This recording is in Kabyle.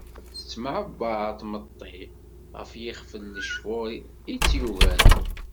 Tettemɛebbar d imeṭṭi ɣef yixef n lecfur itt-yugaren.